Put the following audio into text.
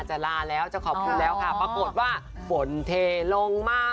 ลาแล้วจะขอบคุณแล้วค่ะปรากฏว่าฝนเทลงมา